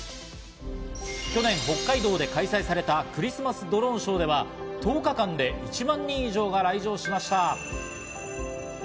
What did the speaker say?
去年、北海道で開催されたクリスマスドローンショーでは１０日間で１万人以上が来場しました。